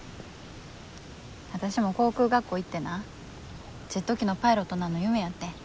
私も航空学校行ってなジェット機のパイロットなんの夢やってん。